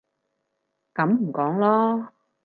噉唔講囉